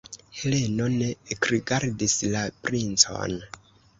Heleno ne ekrigardis la princon.